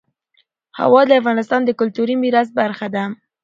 هوا د افغانستان د کلتوري میراث برخه ده.